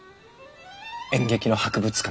演劇の博物館。